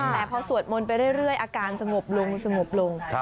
แล้วพอสวดมนตร์ไปเรื่อยอาการสงบลง